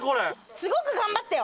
すごく頑張ったよ。